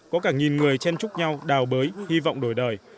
có cả nghìn người chen chúc nhau đào bới hy vọng đổi đời